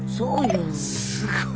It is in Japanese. すごい。